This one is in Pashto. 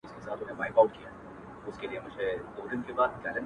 پام چي له پامه يې يوه شېبه بې پامه نه کړې؛؛